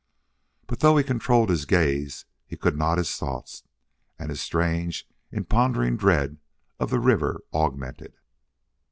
But, though he controlled his gaze, he could not his thought, and his strange, impondering dread of the river augmented.